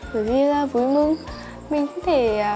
bởi vì là vui mừng mình cũng thể